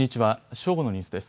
正午のニュースです。